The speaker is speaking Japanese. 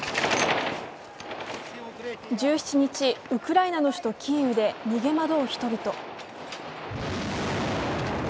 １７日、ウクライナの首都キーウで逃げ惑う人々。